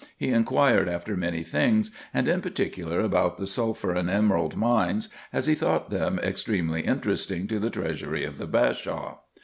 He inquired after many things, and in particular about the sulphur and emerald mines, as he thought them extremely interesting to the treasury of the Bashaw.